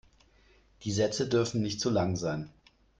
Die Sätze dürfen nicht zu lang sein.